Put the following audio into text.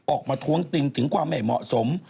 ออกมาทวงติมถึงความแหม่เหมาะสม